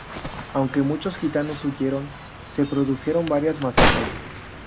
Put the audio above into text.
Aunque muchos gitanos huyeron, se produjeron varias masacres.